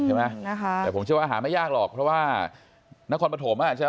ใช่ไหมนะคะแต่ผมเชื่อว่าหาไม่ยากหรอกเพราะว่านครปฐมอ่ะใช่ไหม